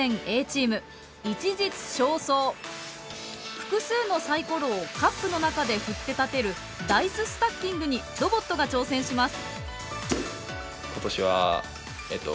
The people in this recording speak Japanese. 複数のサイコロをカップの中で振って立てるダイススタッキングにロボットが挑戦します。